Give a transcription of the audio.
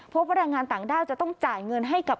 พบว่าแรงงานต่างด้าวจะต้องจ่ายเงินให้กับ